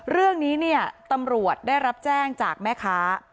เรื่องนี้เนี่ยตำรวจได้รับแจ้งจากแม่ค้า